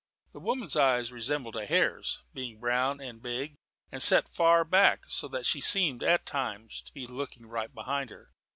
The woman's eyes resembled a hare's, being brown and big, and set far back, so that she seemed at times to be looking right behind her.